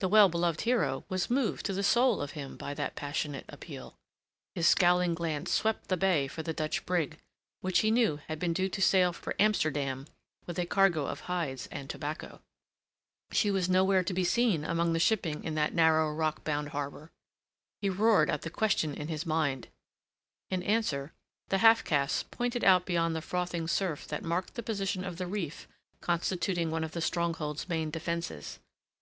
The well beloved hero was moved to the soul of him by that passionate appeal. His scowling glance swept the bay for the Dutch brig, which he knew had been due to sail for Amsterdam with a cargo of hides and tobacco. She was nowhere to be seen among the shipping in that narrow, rock bound harbour. He roared out the question in his mind. In answer the half caste pointed out beyond the frothing surf that marked the position of the reef constituting one of the stronghold's main defences.